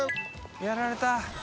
やられた。